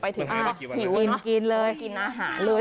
ไปถึงหิวเนอะอ้าวกินเลยอ้าวกินอาหารเลย